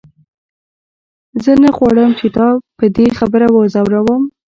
زه نه غواړم چې تا په دې خبره وځوروم.